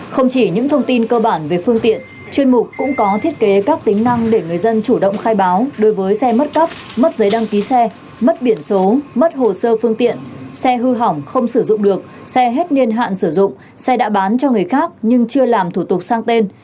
không chỉ những thông tin cơ bản về phương tiện chuyên mục cũng có thiết kế các tính năng để người dân chủ động khai báo đối với xe mất cấp mất giấy đăng ký xe mất biển số mất hồ sơ phương tiện xe hư hỏng không sử dụng được xe hết niên hạn sử dụng xe đã bán cho người khác nhưng chưa làm thủ tục sang tên